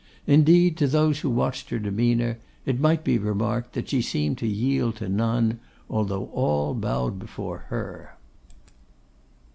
Indeed, to those who watched her demeanour, it might be remarked that she seemed to yield to none, although all bowed before her.